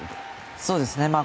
そうですね。